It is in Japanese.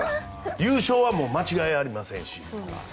優勝は間違いありませんし。